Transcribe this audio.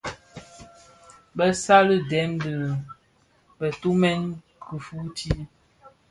Bësali dèm bëtumèn kifuuti.